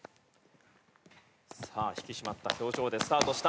さあ引き締まった表情でスタートした。